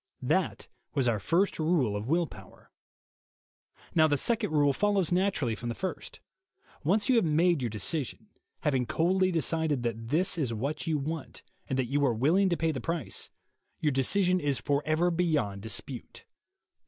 That was our first rule of will power. Now the second rule follows naturally from the first. Once you have made your decision, having coldly decided that that is what you want and that you are willing to pay the price, your decision is forever beyond dispute.